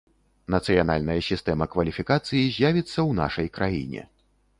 Нацыянальная сістэма кваліфікацыі з'явіцца ў нашай краіне.